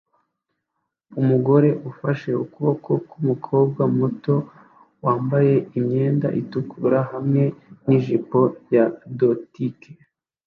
Umugore afashe ukuboko kwumukobwa muto wambaye imyenda itukura hamwe nijipo ya dotike